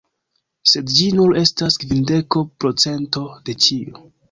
Sed ĝi nur estas kvindeko procento de ĉio